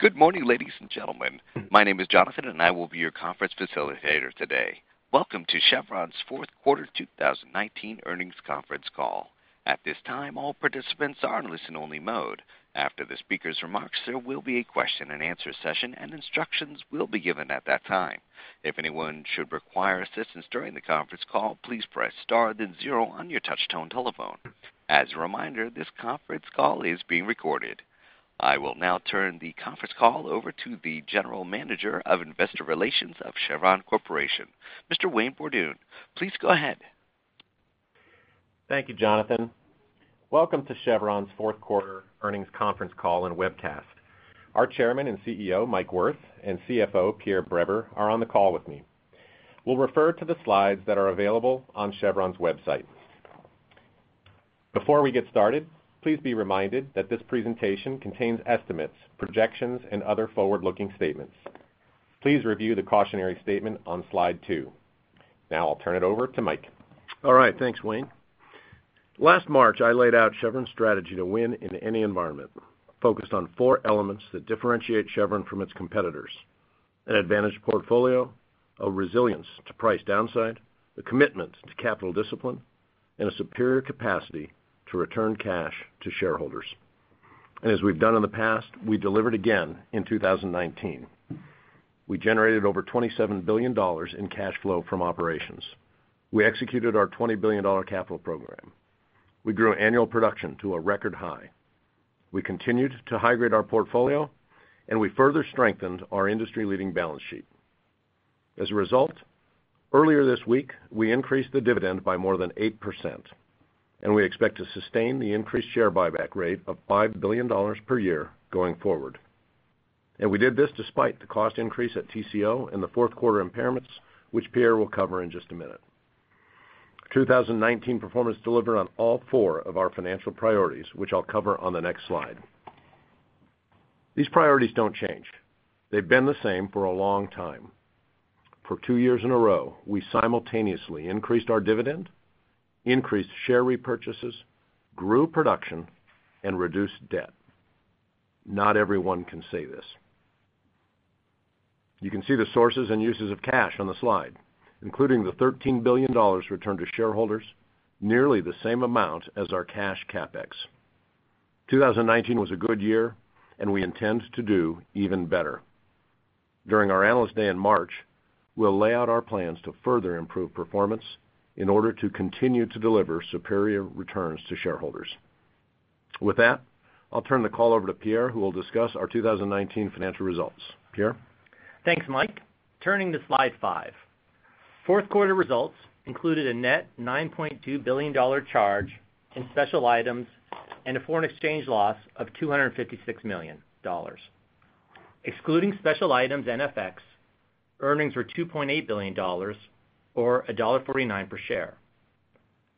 Good morning, ladies and gentlemen. My name is Jonathan, and I will be your conference facilitator today. Welcome to Chevron's fourth quarter 2019 earnings conference call. At this time, all participants are in listen-only mode. After the speakers' remarks, there will be a question and answer session, and instructions will be given at that time. If anyone should require assistance during the conference call, please press star then zero on your touch-tone telephone. As a reminder, this conference call is being recorded. I will now turn the conference call over to the General Manager of Investor Relations of Chevron Corporation, Mr. Wayne Borduin. Please go ahead. Thank you, Jonathan. Welcome to Chevron's fourth quarter earnings conference call and webcast. Our Chairman and CEO, Mike Wirth, and CFO, Pierre Breber, are on the call with me. We'll refer to the slides that are available on Chevron's website. Before we get started, please be reminded that this presentation contains estimates, projections, and other forward-looking statements. Please review the cautionary statement on slide two. Now I'll turn it over to Mike. All right. Thanks, Wayne. Last March, I laid out Chevron's strategy to win in any environment, focused on four elements that differentiate Chevron from its competitors: an advantage portfolio, a resilience to price downside, a commitment to capital discipline, and a superior capacity to return cash to shareholders. As we've done in the past, we delivered again in 2019. We generated over $27 billion in cash flow from operations. We executed our $20 billion capital program. We grew annual production to a record high. We continued to high-grade our portfolio, and we further strengthened our industry-leading balance sheet. As a result, earlier this week, we increased the dividend by more than 8%, and we expect to sustain the increased share buyback rate of $5 billion per year going forward. We did this despite the cost increase at Tengizchevroil and the fourth quarter impairments, which Pierre will cover in just a minute. 2019 performance delivered on all four of our financial priorities, which I'll cover on the next slide. These priorities don't change. They've been the same for a long time. For two years in a row, we simultaneously increased our dividend, increased share repurchases, grew production, and reduced debt. Not everyone can say this. You can see the sources and uses of cash on the slide, including the $13 billion returned to shareholders, nearly the same amount as our cash CapEx. 2019 was a good year, and we intend to do even better. During our Analyst Day in March, we'll lay out our plans to further improve performance in order to continue to deliver superior returns to shareholders. With that, I'll turn the call over to Pierre, who will discuss our 2019 financial results. Pierre? Thanks, Mike. Turning to slide five. Fourth quarter results included a net $9.2 billion charge in special items and a foreign exchange loss of $256 million. Excluding special items and FX, earnings were $2.8 billion, or $1.49 per share.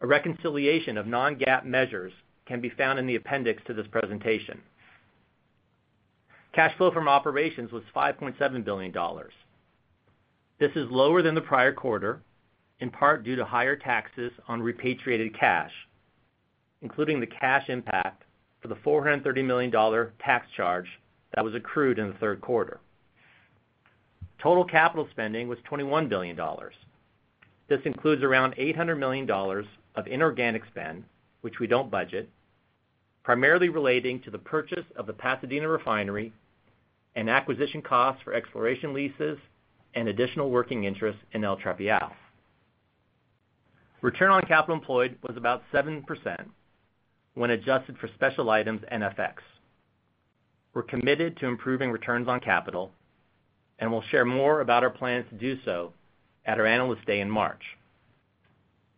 A reconciliation of non-GAAP measures can be found in the appendix to this presentation. Cash flow from operations was $5.7 billion. This is lower than the prior quarter, in part due to higher taxes on repatriated cash, including the cash impact for the $430 million tax charge that was accrued in the third quarter. Total capital spending was $21 billion. This includes around $800 million of inorganic spend, which we don't budget, primarily relating to the purchase of the Pasadena refinery and acquisition costs for exploration leases and additional working interest in El Trapial. Return on capital employed was about 7% when adjusted for special items and FX. We're committed to improving returns on capital, and we'll share more about our plans to do so at our Analyst Day in March.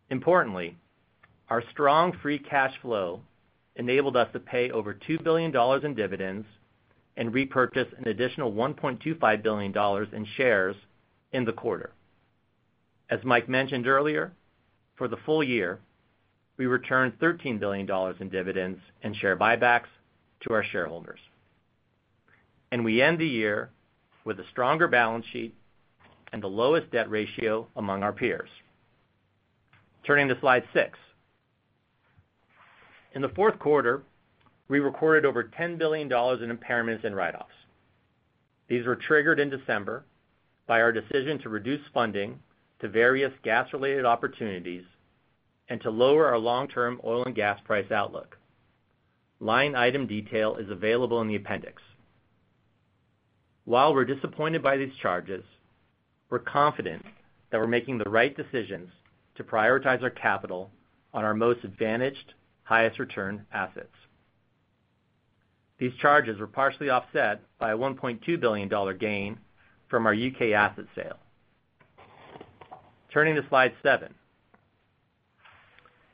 Importantly, our strong free cash flow enabled us to pay over $2 billion in dividends and repurchase an additional $1.25 billion in shares in the quarter. As Mike Wirth mentioned earlier, for the full year, we returned $13 billion in dividends and share buybacks to our shareholders. We end the year with a stronger balance sheet and the lowest debt ratio among our peers. Turning to slide six. In the fourth quarter, we recorded over $10 billion in impairments and write-offs. These were triggered in December by our decision to reduce funding to various gas-related opportunities and to lower our long-term oil and gas price outlook. Line item detail is available in the appendix. While we're disappointed by these charges, we're confident that we're making the right decisions to prioritize our capital on our most advantaged, highest return assets. These charges were partially offset by a $1.2 billion gain from our U.K. asset sale. Turning to slide seven.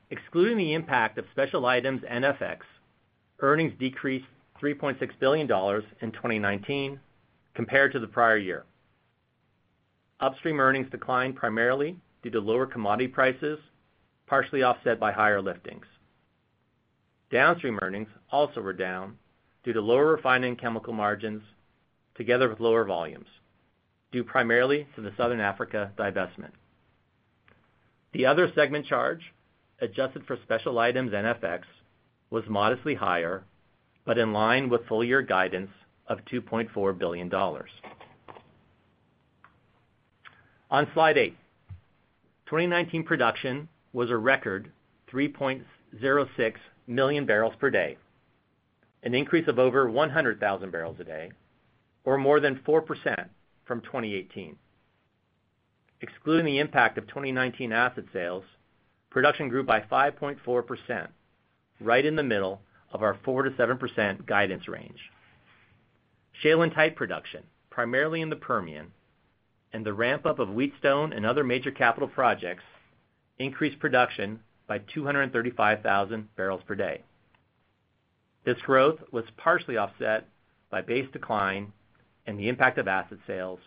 Excluding the impact of special items and FX, earnings decreased $3.6 billion in 2019 compared to the prior year. Upstream earnings declined primarily due to lower commodity prices, partially offset by higher liftings. Downstream earnings also were down due to lower refining chemical margins together with lower volumes, due primarily to the Southern Africa divestment. The other segment charge, adjusted for special items and FX, was modestly higher, but in line with full-year guidance of $2.4 billion. On slide eight, 2019 production was a record 3.06 million barrels per day, an increase of over 100,000 barrels a day, or more than 4% from 2018. Excluding the impact of 2019 asset sales, production grew by 5.4%, right in the middle of our 4%-7% guidance range. Shale and tight production, primarily in the Permian, and the ramp-up of Wheatstone and other major capital projects increased production by 235,000 barrels per day. This growth was partially offset by base decline and the impact of asset sales,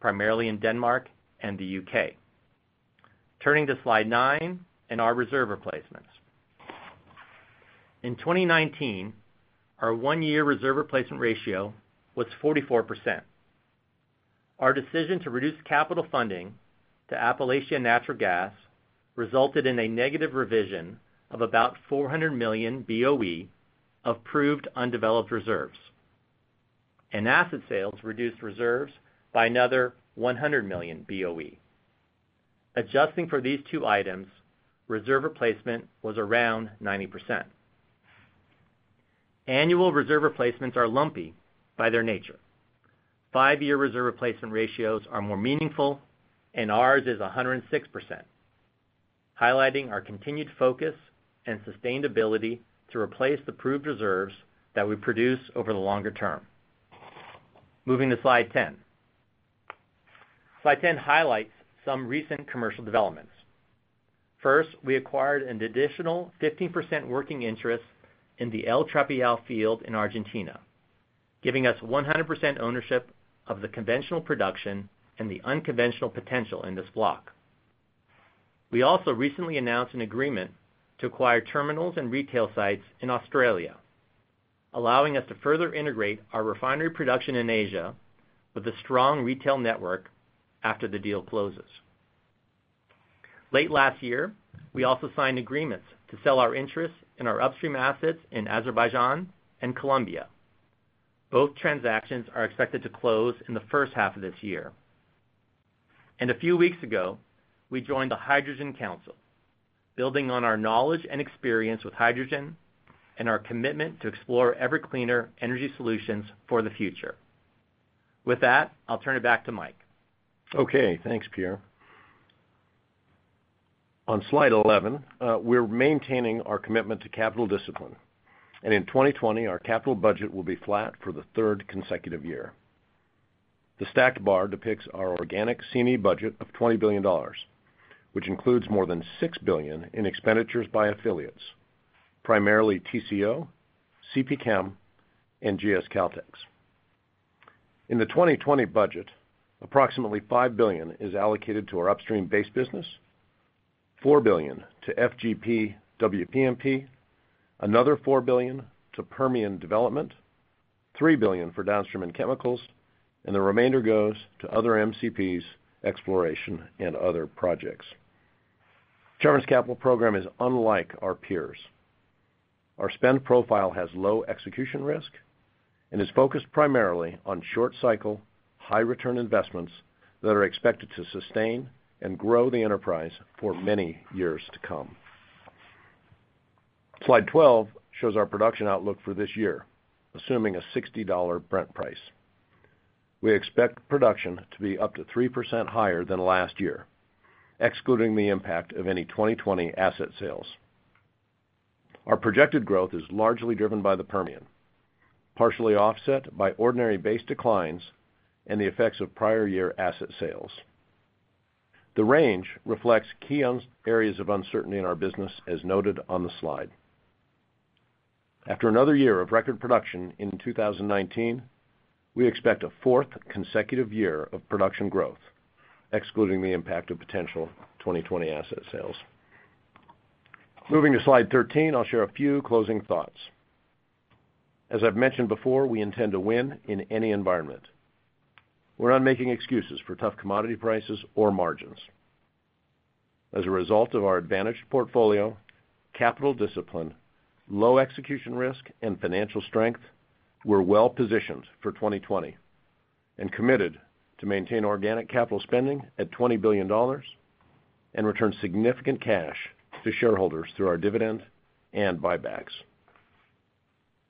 primarily in Denmark and the U.K. Turning to slide nine and our reserve replacements. In 2019, our one-year reserve replacement ratio was 44%. Our decision to reduce capital funding to Appalachian Natural Gas resulted in a negative revision of about 400 million BOE of proved undeveloped reserves. Asset sales reduced reserves by another 100 million BOE. Adjusting for these two items, reserve replacement was around 90%. Annual reserve replacements are lumpy by their nature. Five-year reserve replacement ratios are more meaningful, and ours is 106%, highlighting our continued focus and sustained ability to replace the proved reserves that we produce over the longer term. Moving to slide 10. Slide 10 highlights some recent commercial developments. First, we acquired an additional 15% working interest in the El Trapial field in Argentina, giving us 100% ownership of the conventional production and the unconventional potential in this block. We also recently announced an agreement to acquire terminals and retail sites in Australia, allowing us to further integrate our refinery production in Asia with a strong retail network after the deal closes. Late last year, we also signed agreements to sell our interest in our upstream assets in Azerbaijan and Colombia. Both transactions are expected to close in the first half of this year. A few weeks ago, we joined the Hydrogen Council, building on our knowledge and experience with hydrogen and our commitment to explore ever-cleaner energy solutions for the future. With that, I'll turn it back to Mike. Okay, thanks, Pierre. On slide 11, we're maintaining our commitment to capital discipline. In 2020, our capital budget will be flat for the third consecutive year. The stacked bar depicts our organic C&E budget of $20 billion, which includes more than $6 billion in expenditures by affiliates, primarily TCO, CPChem, and GS Caltex. In the 2020 budget, approximately $5 billion is allocated to our upstream base business, $4 billion to FGP/WPMP, another $4 billion to Permian development, $3 billion for downstream and chemicals, and the remainder goes to other MCPs, exploration, and other projects. Chevron's capital program is unlike our peers. Our spend profile has low execution risk and is focused primarily on short-cycle, high-return investments that are expected to sustain and grow the enterprise for many years to come. Slide 12 shows our production outlook for this year, assuming a $60 Brent price. We expect production to be up to 3% higher than last year, excluding the impact of any 2020 asset sales. Our projected growth is largely driven by the Permian, partially offset by ordinary base declines and the effects of prior year asset sales. The range reflects key areas of uncertainty in our business as noted on the slide. After another year of record production in 2019, we expect a fourth consecutive year of production growth, excluding the impact of potential 2020 asset sales. Moving to slide 13, I'll share a few closing thoughts. As I've mentioned before, I intend to win in any environment. We're not making excuses for tough commodity prices or margins. As a result of our advantaged portfolio, capital discipline, low execution risk, and financial strength, we're well positioned for 2020 and committed to maintain organic capital spending at $20 billion and return significant cash to shareholders through our dividend and buybacks.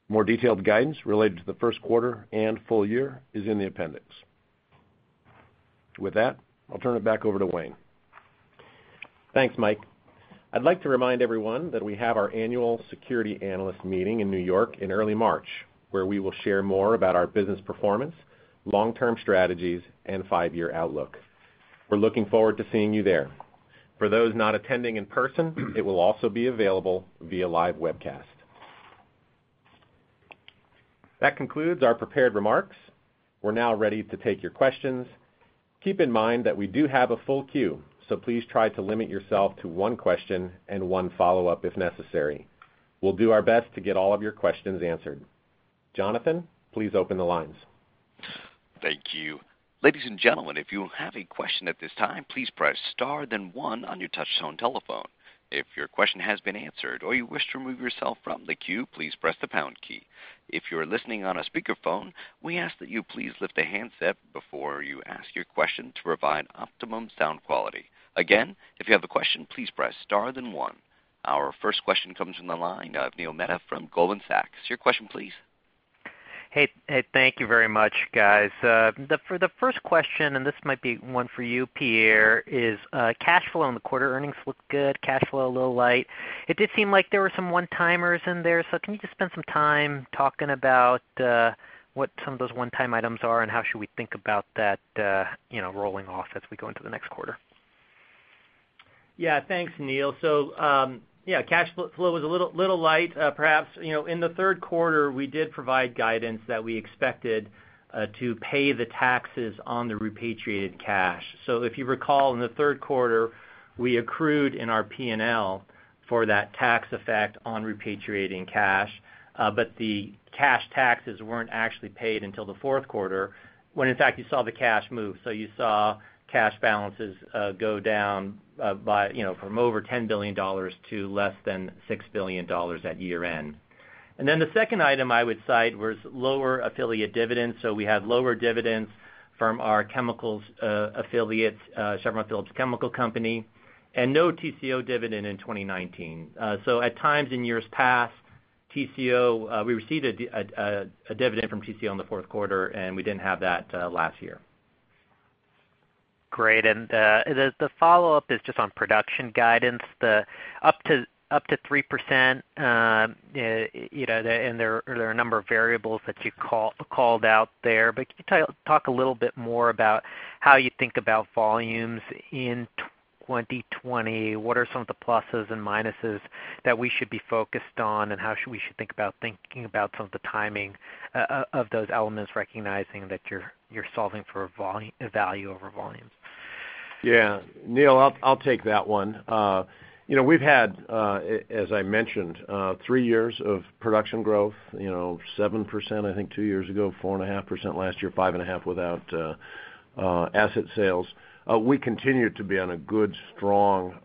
More detailed guidance related to the first quarter and full year is in the appendix. With that, I'll turn it back over to Wayne. Thanks, Mike. I'd like to remind everyone that we have our annual Security Analyst Meeting in New York in early March, where we will share more about our business performance, long-term strategies, and five-year outlook. We're looking forward to seeing you there. For those not attending in person, it will also be available via live webcast. That concludes our prepared remarks. We're now ready to take your questions. Keep in mind that we do have a full queue. Please try to limit yourself to one question and one follow-up if necessary. We'll do our best to get all of your questions answered. Jonathan, please open the lines. Thank you. Ladies and gentlemen, if you have a question at this time, please press star then one on your touchtone telephone. If your question has been answered or you wish to remove yourself from the queue, please press the pound key. If you're listening on a speakerphone, we ask that you please lift the handset before you ask your question to provide optimum sound quality. Again, if you have a question, please press star then one. Our first question comes from the line of Neil Mehta from Goldman Sachs. Your question, please. Hey. Thank you very much, guys. For the first question, this might be one for you, Pierre, is cash flow in the quarter earnings looked good, cash flow a little light. It did seem like there were some one-timers in there. Can you just spend some time talking about what some of those one-time items are and how should we think about that rolling off as we go into the next quarter? Thanks, Neil. Cash flow was a little light. Perhaps, in the third quarter, we did provide guidance that we expected to pay the taxes on the repatriated cash. If you recall, in the third quarter, we accrued in our P&L for that tax effect on repatriating cash. The cash taxes weren't actually paid until the fourth quarter, when in fact, you saw the cash move. You saw cash balances go down from over $10 billion to less than $6 billion at year-end. The second item I would cite was lower affiliate dividends. We had lower dividends from our chemicals affiliate, Chevron Phillips Chemical Company, and no TCO dividend in 2019. At times in years past, we received a dividend from TCO in the fourth quarter, and we didn't have that last year. Great. The follow-up is just on production guidance, the up to 3%, and there are a number of variables that you called out there. Can you talk a little bit more about how you think about volumes in 2020? What are some of the pluses and minuses that we should be focused on, and how we should think about thinking about some of the timing of those elements, recognizing that you're solving for value over volumes? Neil, I'll take that one. We've had, as I mentioned, three years of production growth, 7%, I think two years ago, 4.5% last year, 5.5% without asset sales. We continue to be on a good, strong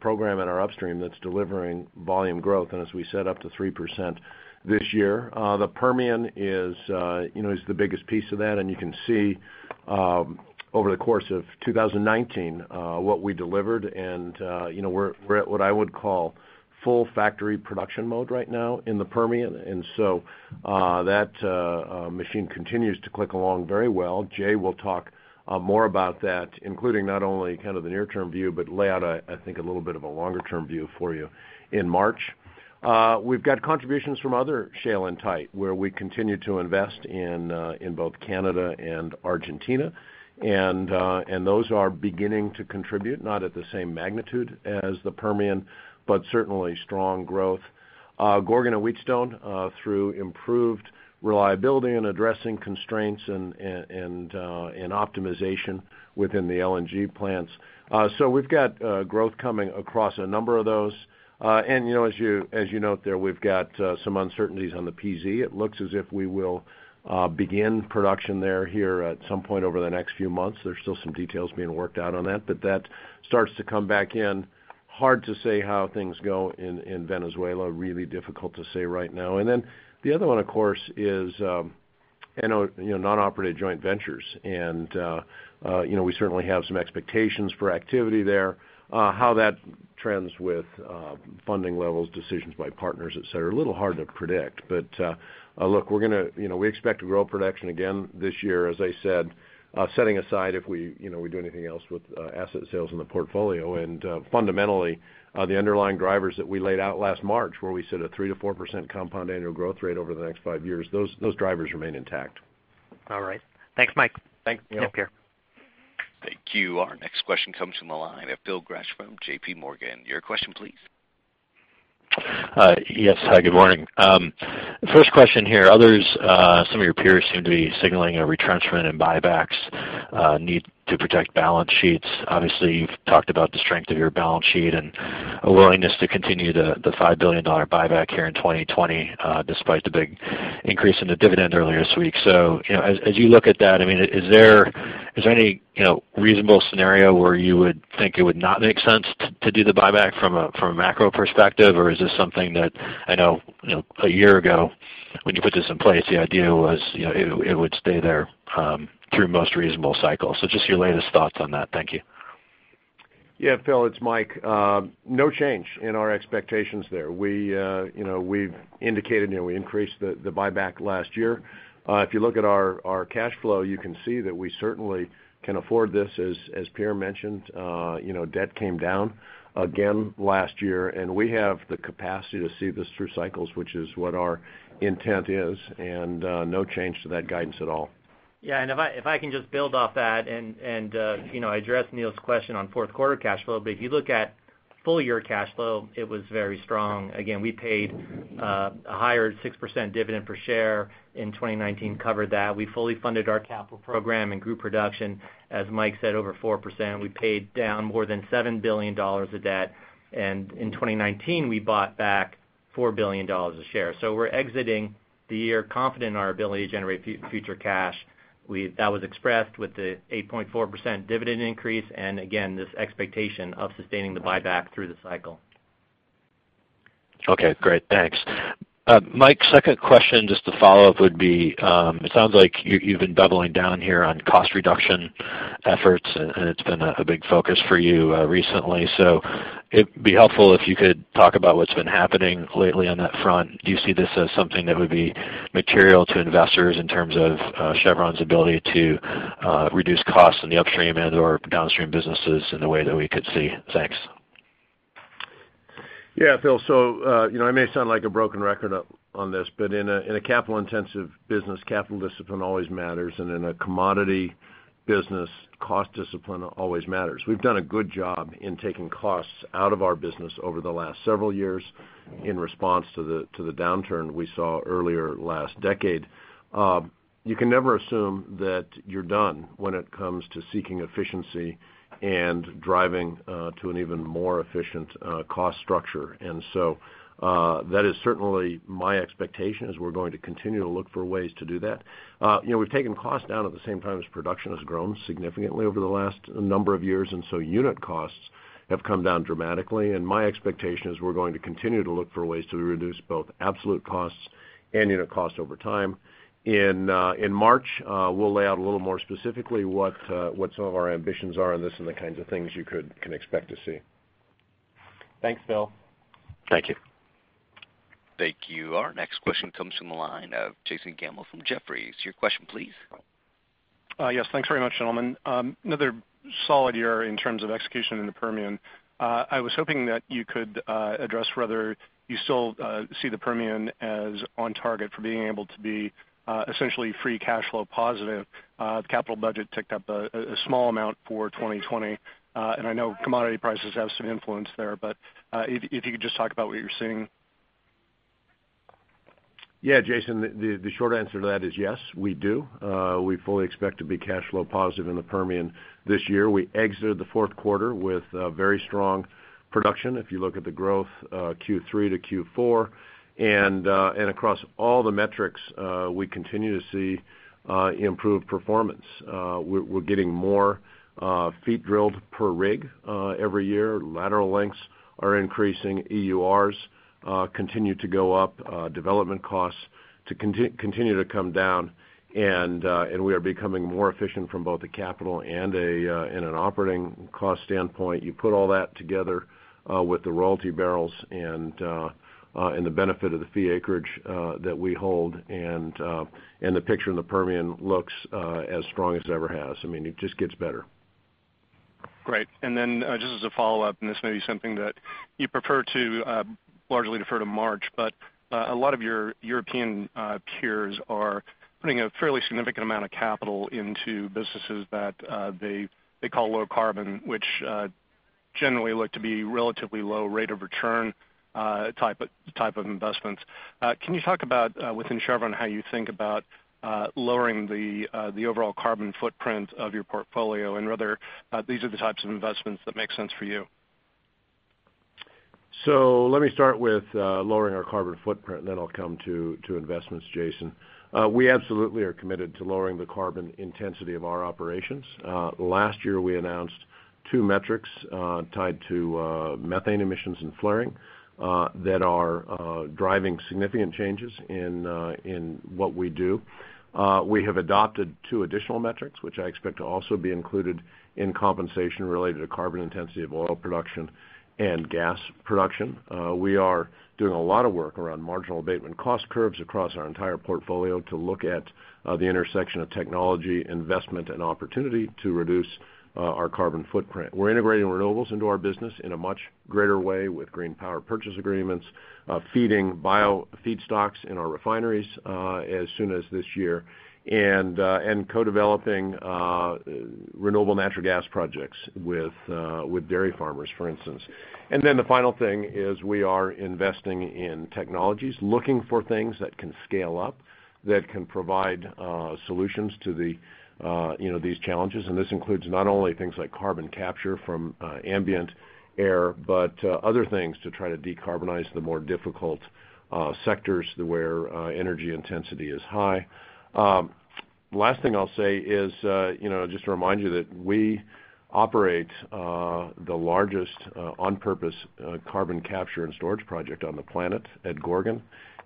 program in our upstream that's delivering volume growth, as we said, up to 3% this year. The Permian is the biggest piece of that, and you can see over the course of 2019 what we delivered, and we're at what I would call full factory production mode right now in the Permian. That machine continues to click along very well. Jay will talk more about that, including not only kind of the near-term view, but lay out, I think, a little bit of a longer-term view for you in March. We've got contributions from other shale and tight where we continue to invest in both Canada and Argentina. Those are beginning to contribute, not at the same magnitude as the Permian, but certainly strong growth. Gorgon and Wheatstone through improved reliability and addressing constraints and optimization within the LNG plants. We've got growth coming across a number of those. As you note there, we've got some uncertainties on the PZ. It looks as if we will begin production there here at some point over the next few months. There's still some details being worked out on that, but that starts to come back in. Hard to say how things go in Venezuela. Really difficult to say right now. The other one, of course, is non-operated joint ventures. We certainly have some expectations for activity there. How that trends with funding levels, decisions by partners, et cetera, a little hard to predict. Look, we expect to grow production again this year, as I said, setting aside if we do anything else with asset sales in the portfolio. Fundamentally, the underlying drivers that we laid out last March where we said a 3%-4% compound annual growth rate over the next five years, those drivers remain intact. All right. Thanks, Mike. Thanks, Neil. Yep. Here. Thank you. Our next question comes from the line of Phil Gresh from JPMorgan. Your question, please. Yes. Hi, good morning. First question here. Others, some of your peers seem to be signaling a retrenchment in buybacks need to protect balance sheets. Obviously, you've talked about the strength of your balance sheet and a willingness to continue the $5 billion buyback here in 2020, despite the big increase in the dividend earlier this week. As you look at that, is there any reasonable scenario where you would think it would not make sense to do the buyback from a macro perspective? Or is this something that, I know a year ago when you put this in place, the idea was it would stay there through most reasonable cycles? Just your latest thoughts on that. Thank you. Yeah, Phil, it's Mike. No change in our expectations there. We've indicated we increased the buyback last year. If you look at our cash flow, you can see that we certainly can afford this. As Pierre mentioned, debt came down again last year, and we have the capacity to see this through cycles, which is what our intent is, and no change to that guidance at all. If I can just build off that and address Neil's question on fourth quarter cash flow. If you look at full-year cash flow, it was very strong. Again, we paid a higher 6% dividend per share in 2019, covered that. We fully funded our capital program and grew production, as Mike said, over 4%. We paid down more than $7 billion of debt, and in 2019, we bought back $4 billion a share. We're exiting the year confident in our ability to generate future cash. That was expressed with the 8.4% dividend increase and again, this expectation of sustaining the buyback through the cycle. Okay, great. Thanks. Mike, second question just to follow up would be, it sounds like you've been doubling down here on cost reduction efforts, and it's been a big focus for you recently. It'd be helpful if you could talk about what's been happening lately on that front. Do you see this as something that would be material to investors in terms of Chevron's ability to reduce costs in the upstream and/or downstream businesses in a way that we could see? Thanks. Phil, I may sound like a broken record on this, but in a capital-intensive business, capital discipline always matters, and in a commodity business, cost discipline always matters. We've done a good job in taking costs out of our business over the last several years in response to the downturn we saw earlier last decade. You can never assume that you're done when it comes to seeking efficiency and driving to an even more efficient cost structure. That is certainly my expectation, is we're going to continue to look for ways to do that. We've taken costs down at the same time as production has grown significantly over the last number of years. Unit costs have come down dramatically, and my expectation is we're going to continue to look for ways to reduce both absolute costs and unit cost over time. In March, we'll lay out a little more specifically what some of our ambitions are on this and the kinds of things you can expect to see. Thanks, Phil. Thank you. Thank you. Our next question comes from the line of Jason Gammel from Jefferies. Your question, please. Yes. Thanks very much, gentlemen. Another solid year in terms of execution in the Permian. I was hoping that you could address whether you still see the Permian as on target for being able to be essentially free cash flow positive. The capital budget ticked up a small amount for 2020. I know commodity prices have some influence there, but if you could just talk about what you're seeing. Yeah, Jason, the short answer to that is yes, we do. We fully expect to be cash flow positive in the Permian this year. We exited the fourth quarter with very strong production if you look at the growth Q3 to Q4. Across all the metrics we continue to see improved performance. We're getting more feet drilled per rig every year. Lateral lengths are increasing. EURs continue to go up. Development costs continue to come down, and we are becoming more efficient from both a capital and an operating cost standpoint. You put all that together with the royalty barrels and the benefit of the fee acreage that we hold, and the picture in the Permian looks as strong as it ever has. I mean, it just gets better. Great. Then just as a follow-up, and this may be something that you prefer to largely defer to March, but a lot of your European peers are putting a fairly significant amount of capital into businesses that they call low carbon, which generally look to be relatively low rate of return type of investments. Can you talk about within Chevron how you think about lowering the overall carbon footprint of your portfolio and whether these are the types of investments that make sense for you? Let me start with lowering our carbon footprint, and then I'll come to investments, Jason. We absolutely are committed to lowering the carbon intensity of our operations. Last year we announced two metrics tied to methane emissions and flaring that are driving significant changes in what we do. We have adopted two additional metrics, which I expect to also be included in compensation related to carbon intensity of oil production and gas production. We are doing a lot of work around marginal abatement cost curves across our entire portfolio to look at the intersection of technology investment and opportunity to reduce our carbon footprint. We're integrating renewables into our business in a much greater way with green power purchase agreements, feeding bio feedstocks in our refineries as soon as this year, and co-developing renewable natural gas projects with dairy farmers, for instance. The final thing is we are investing in technologies, looking for things that can scale up, that can provide solutions to these challenges. This includes not only things like carbon capture from ambient air, but other things to try to decarbonize the more difficult sectors where energy intensity is high. Last thing I'll say is just to remind you that we operate the largest on-purpose carbon capture and storage project on the planet at Gorgon.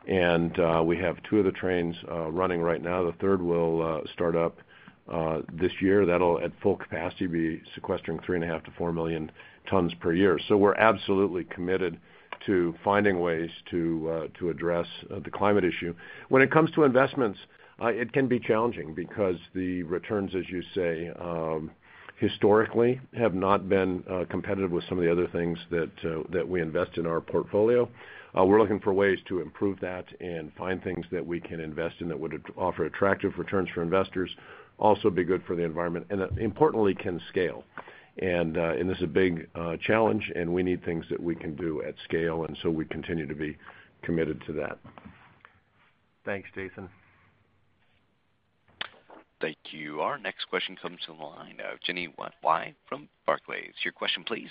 We have two of the trains running right now. The third will start up this year. That'll at full capacity be sequestering 3.5 to 4 million tons per year. We're absolutely committed to finding ways to address the climate issue. When it comes to investments, it can be challenging because the returns, as you say, historically have not been competitive with some of the other things that we invest in our portfolio. We're looking for ways to improve that and find things that we can invest in that would offer attractive returns for investors, also be good for the environment, and importantly, can scale. This is a big challenge, and we need things that we can do at scale, and so we continue to be committed to that. Thanks, Jason. Thank you. Our next question comes from the line of Jeanine Wai from Barclays. Your question, please.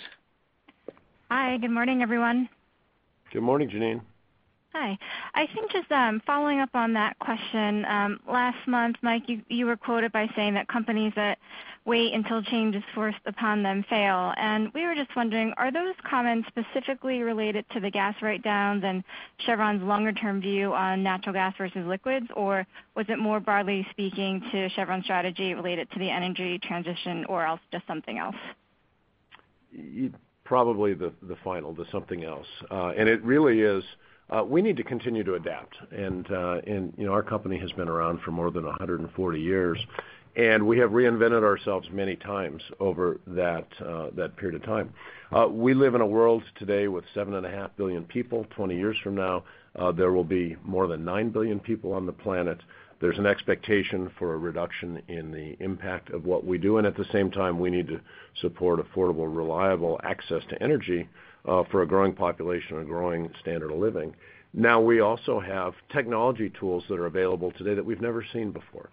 Hi. Good morning, everyone. Good morning, Jeanine. Hi. I think just following up on that question. Last month, Mike, you were quoted by saying that companies that wait until change is forced upon them fail. We were just wondering, are those comments specifically related to the gas write-downs and Chevron's longer-term view on natural gas versus liquids, or was it more broadly speaking to Chevron's strategy related to the energy transition, or else just something else? Probably the final, the something else. It really is, we need to continue to adapt. Our company has been around for more than 140 years, and we have reinvented ourselves many times over that period of time. We live in a world today with 7.5 billion people. 20 years from now, there will be more than nine billion people on the planet. There's an expectation for a reduction in the impact of what we do, and at the same time, we need to support affordable, reliable access to energy for a growing population and growing standard of living. We also have technology tools that are available today that we've never seen before.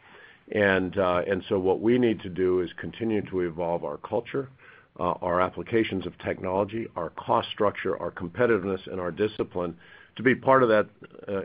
What we need to do is continue to evolve our culture, our applications of technology, our cost structure, our competitiveness, and our discipline to be part of that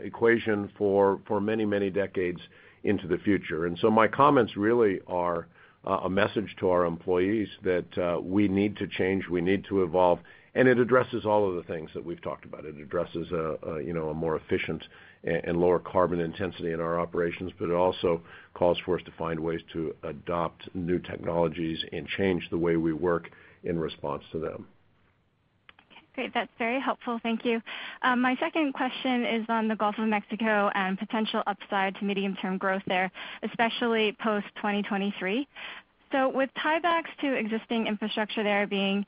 equation for many, many decades into the future. My comments really are a message to our employees that we need to change, we need to evolve, and it addresses all of the things that we've talked about. It addresses a more efficient and lower carbon intensity in our operations. It also calls for us to find ways to adopt new technologies and change the way we work in response to them. Okay, great. That's very helpful. Thank you. My second question is on the Gulf of Mexico and potential upside to medium-term growth there, especially post 2023. With tiebacks to existing infrastructure there being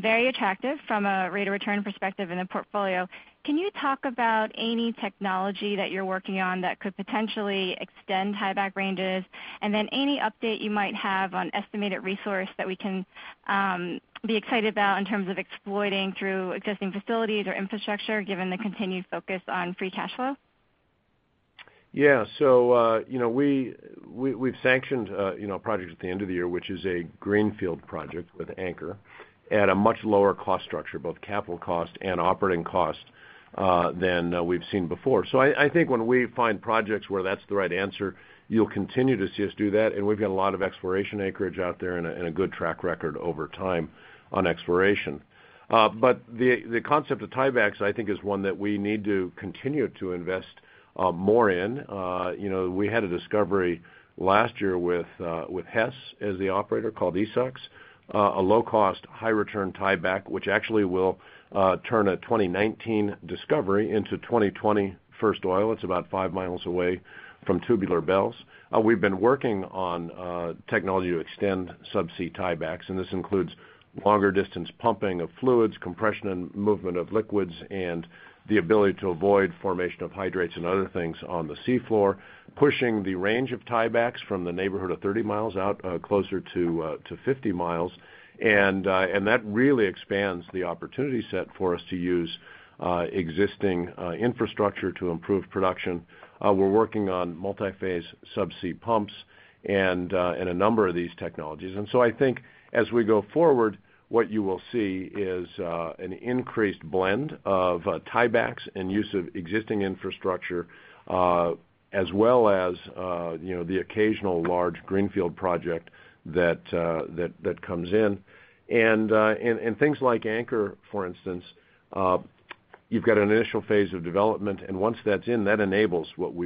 very attractive from a rate of return perspective in the portfolio, can you talk about any technology that you're working on that could potentially extend tieback ranges? Any update you might have on estimated resource that we can be excited about in terms of exploiting through existing facilities or infrastructure, given the continued focus on free cash flow? We've sanctioned a project at the end of the year, which is a greenfield project with Anchor at a much lower cost structure, both capital cost and operating cost, than we've seen before. I think when we find projects where that's the right answer, you'll continue to see us do that, and we've got a lot of exploration acreage out there and a good track record over time on exploration. The concept of tiebacks, I think, is one that we need to continue to invest more in. We had a discovery last year with Hess as the operator called Esox, a low-cost, high-return tieback, which actually will turn a 2019 discovery into 2020 first oil. It's about five miles away from Tubular Bells. We've been working on technology to extend subsea tiebacks. This includes longer distance pumping of fluids, compression and movement of liquids, and the ability to avoid formation of hydrates and other things on the sea floor, pushing the range of tiebacks from the neighborhood of 30 miles out closer to 50 miles. That really expands the opportunity set for us to use existing infrastructure to improve production. We're working on multi-phase subsea pumps and a number of these technologies. I think as we go forward, what you will see is an increased blend of tiebacks and use of existing infrastructure, as well as the occasional large greenfield project that comes in. Things like Anchor, for instance, you've got an initial phase of development, and once that's in, that enables what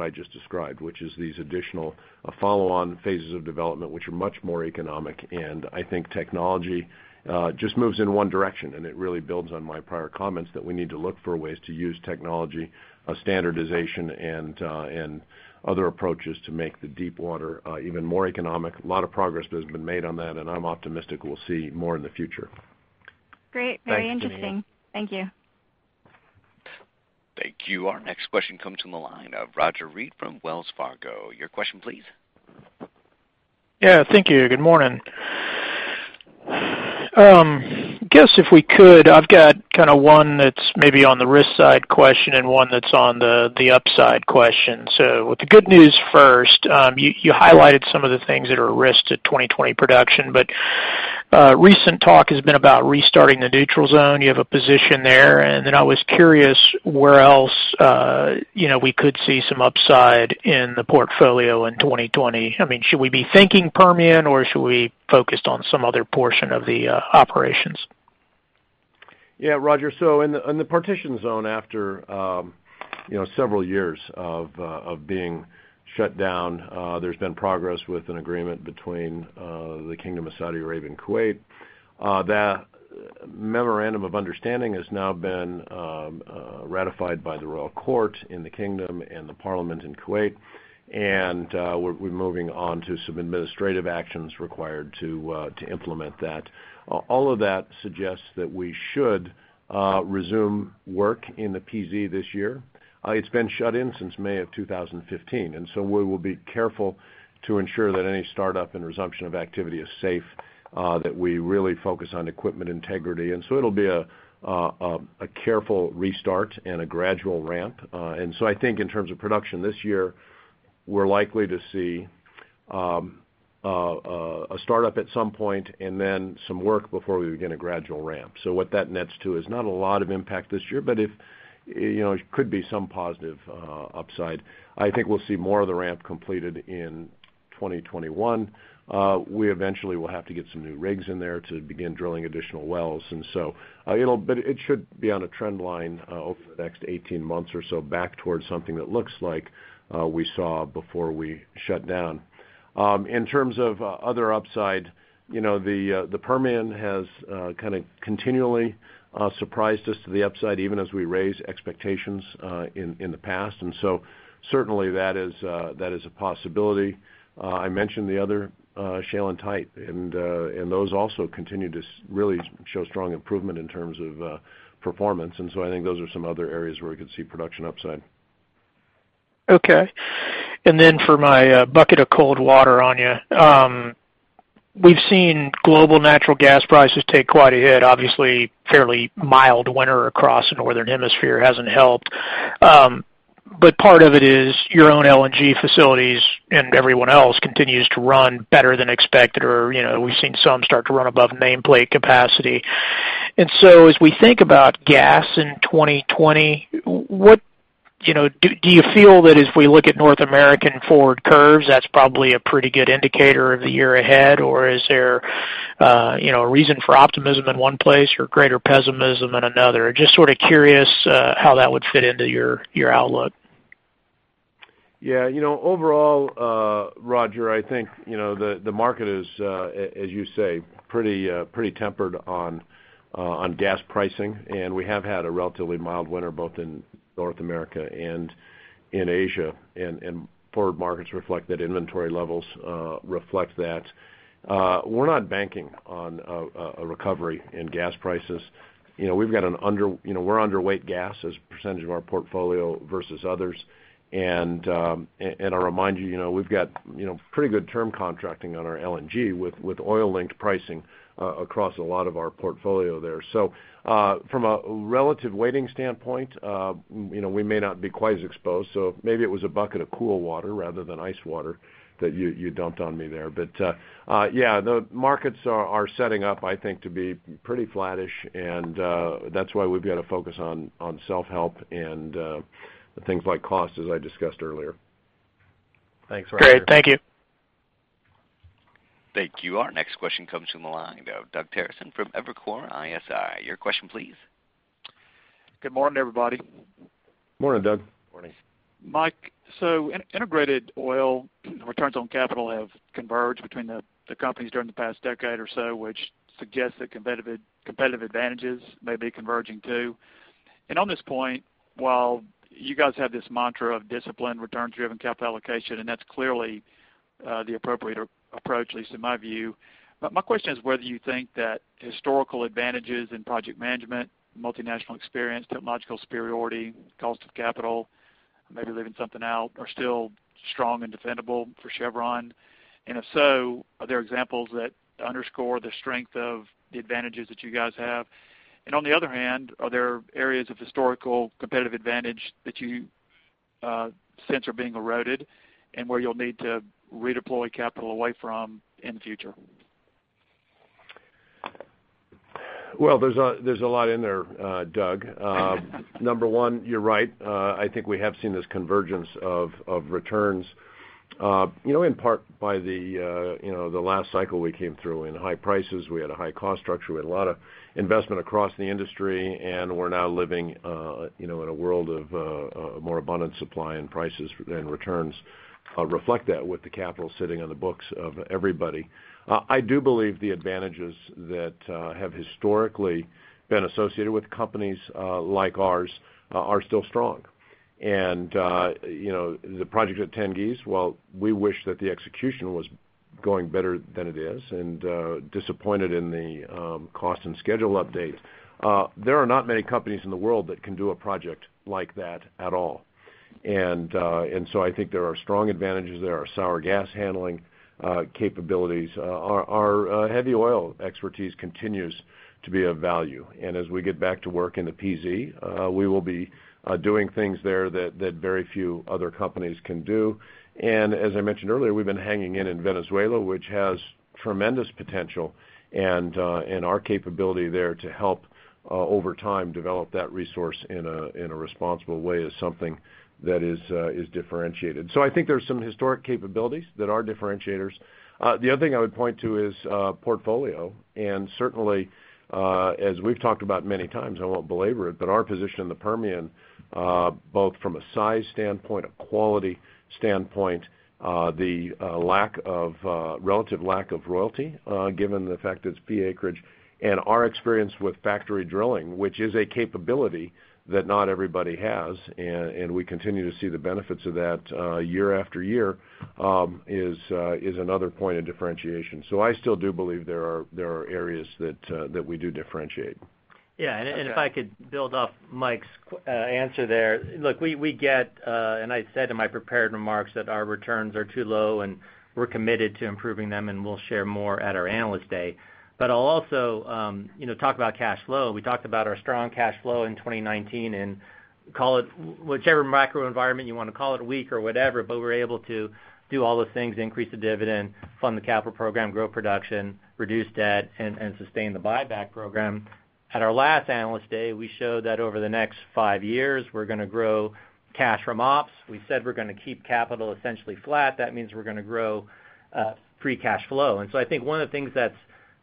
I just described, which is these additional follow-on phases of development, which are much more economic. I think technology just moves in one direction, and it really builds on my prior comments that we need to look for ways to use technology standardization and other approaches to make the deep water even more economic. A lot of progress has been made on that, and I'm optimistic we'll see more in the future. Great. Very interesting. Thanks, Jeanine. Thank you. Thank you. Our next question comes from the line of Roger Read from Wells Fargo. Your question, please. Yeah, thank you. Good morning. Guess if we could, I've got one that's maybe on the risk side question and one that's on the upside question. With the good news first, you highlighted some of the things that are risks to 2020 production, but recent talk has been about restarting the Neutral Zone. You have a position there. I was curious where else we could see some upside in the portfolio in 2020. Should we be thinking Permian or should we focus on some other portion of the operations? Roger. In the partition zone, after several years of being shut down, there's been progress with an agreement between the Kingdom of Saudi Arabia and Kuwait. That memorandum of understanding has now been ratified by the Royal Court in the kingdom and the parliament in Kuwait, and we're moving on to some administrative actions required to implement that. All of that suggests that we should resume work in the PZ this year. It's been shut in since May of 2015. We will be careful to ensure that any startup and resumption of activity is safe. That we really focus on equipment integrity. It'll be a careful restart and a gradual ramp. I think in terms of production this year, we're likely to see a startup at some point, and then some work before we begin a gradual ramp. What that nets to is not a lot of impact this year, but it could be some positive upside. I think we'll see more of the ramp completed in 2021. We eventually will have to get some new rigs in there to begin drilling additional wells. It should be on a trend line over the next 18 months or so back towards something that looks like we saw before we shut down. In terms of other upside, the Permian has kind of continually surprised us to the upside, even as we raised expectations in the past. Certainly, that is a possibility. I mentioned the other shale and tight, and those also continue to really show strong improvement in terms of performance. I think those are some other areas where we could see production upside. Okay. For my bucket of cold water on you, we've seen global natural gas prices take quite a hit. Obviously, fairly mild winter across the northern hemisphere hasn't helped. Part of it is your own LNG facilities and everyone else continues to run better than expected, or we've seen some start to run above nameplate capacity. As we think about gas in 2020, do you feel that if we look at North American forward curves, that's probably a pretty good indicator of the year ahead? Is there a reason for optimism in one place or greater pessimism in another? Just sort of curious how that would fit into your outlook. Yeah. Overall, Roger, I think the market is, as you say, pretty tempered on gas pricing, and we have had a relatively mild winter, both in North America and in Asia, and forward markets reflect that inventory levels reflect that. We're not banking on a recovery in gas prices. We're underweight gas as a percentage of our portfolio versus others, and I remind you, we've got pretty good term contracting on our LNG with oil-linked pricing across a lot of our portfolio there. From a relative weighting standpoint, we may not be quite as exposed. Maybe it was a bucket of cool water rather than ice water that you dumped on me there. Yeah, the markets are setting up, I think, to be pretty flattish, and that's why we've got to focus on self-help and things like cost, as I discussed earlier. Thanks, Roger. Great. Thank you. Thank you. Our next question comes from the line of Doug Terreson from Evercore ISI. Your question, please. Good morning, everybody. Morning, Doug. Mike, integrated oil returns on capital have converged between the companies during the past decade or so, which suggests that competitive advantages may be converging, too. On this point, while you guys have this mantra of discipline, returns-driven capital allocation, and that's clearly the appropriate approach, at least in my view, but my question is whether you think that historical advantages in project management, multinational experience, technological superiority, cost of capital, I may be leaving something out, are still strong and defendable for Chevron? If so, are there examples that underscore the strength of the advantages that you guys have? On the other hand, are there areas of historical competitive advantage that you sense are being eroded and where you'll need to redeploy capital away from in the future? There's a lot in there, Doug. Number one, you're right. I think we have seen this convergence of returns in part by the last cycle we came through in high prices. We had a high cost structure. We had a lot of investment across the industry, and we're now living in a world of more abundant supply, and prices and returns reflect that with the capital sitting on the books of everybody. I do believe the advantages that have historically been associated with companies like ours are still strong. The project at Tengiz while we wish that the execution was going better than it is, and disappointed in the cost and schedule updates, there are not many companies in the world that can do a project like that at all. I think there are strong advantages there, our sour gas handling capabilities. Our heavy oil expertise continues to be of value. As we get back to work in the PZ, we will be doing things there that very few other companies can do. As I mentioned earlier, we've been hanging in Venezuela, which has tremendous potential, and our capability there to help over time develop that resource in a responsible way is something that is differentiated. I think there's some historic capabilities that are differentiators. The other thing I would point to is portfolio, and certainly, as we've talked about many times, I won't belabor it, but our position in the Permian both from a size standpoint, a quality standpoint, the relative lack of royalty given the fact it's fee acreage, and our experience with factory drilling, which is a capability that not everybody has, and we continue to see the benefits of that year after year is another point of differentiation. I still do believe there are areas that we do differentiate. If I could build off Mike's answer there. Look, we get, and I said in my prepared remarks that our returns are too low, and we're committed to improving them, and we'll share more at our Analyst Day. I'll also talk about cash flow. We talked about our strong cash flow in 2019, and whichever macro environment you want to call it, weak or whatever, but we're able to do all those things, increase the dividend, fund the capital program, grow production, reduce debt, and sustain the buyback program. At our last Analyst Day, we showed that over the next five years, we're going to grow cash from ops. We said we're going to keep capital essentially flat. That means we're going to grow free cash flow. I think one of the things that's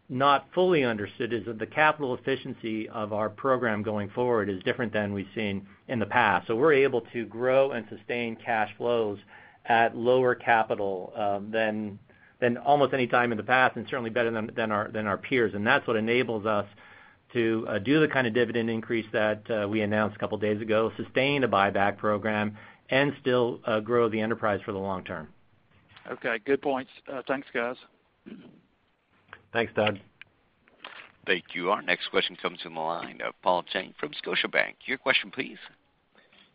not fully understood is that the capital efficiency of our program going forward is different than we've seen in the past. We're able to grow and sustain cash flows at lower capital than almost any time in the past and certainly better than our peers. That's what enables us to do the kind of dividend increase that we announced a couple of days ago, sustain a buyback program, and still grow the enterprise for the long term. Okay. Good points. Thanks, guys. Thanks, Doug. Thank you. Our next question comes from the line of Paul Cheng from Scotiabank. Your question, please.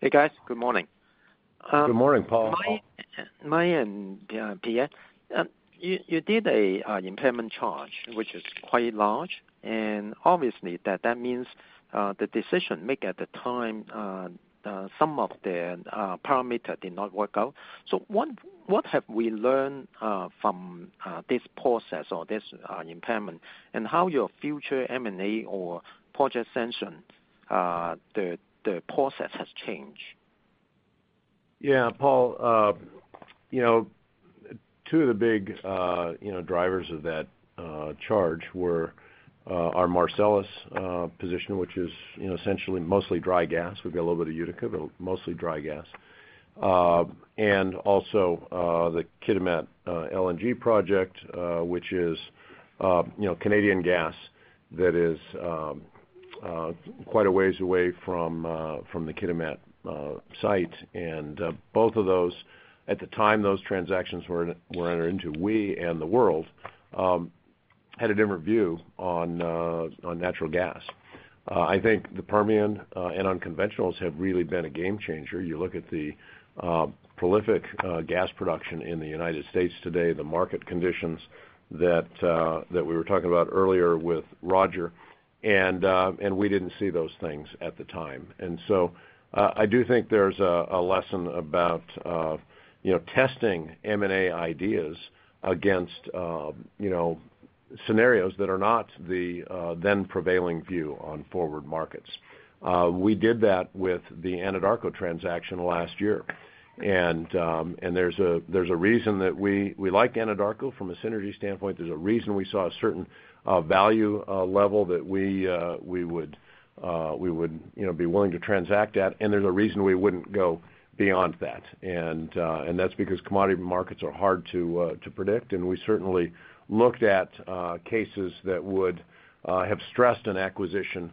Hey, guys. Good morning. Good morning, Paul. Mike and Pierre, you did a impairment charge, which is quite large, obviously that means the decision-making at the time, some of the parameters did not work out. What have we learned from this process or this impairment, and how your future M&A or project sanction, the process has changed? Yeah, Paul. Two of the big drivers of that charge were our Marcellus position, which is essentially mostly dry gas. We've got a little bit of Utica, but mostly dry gas. Also the Kitimat LNG project which is Canadian gas that is quite a ways away from the Kitimat site. Both of those, at the time those transactions were entered into, we and the world had a different view on natural gas. I think the Permian and unconventionals have really been a game changer. You look at the prolific gas production in the U.S. today, the market conditions that we were talking about earlier with Roger, we didn't see those things at the time. I do think there's a lesson about testing M&A ideas against scenarios that are not the then prevailing view on forward markets. We did that with the Anadarko transaction last year. There's a reason that we like Anadarko from a synergy standpoint. There's a reason we saw a certain value level that we would be willing to transact at, and there's a reason we wouldn't go beyond that. That's because commodity markets are hard to predict, and we certainly looked at cases that would have stressed an acquisition